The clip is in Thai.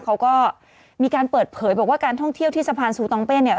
เขาก็มีการเปิดเผยบอกว่าการท่องเที่ยวที่สะพานซูตองเป้เนี่ย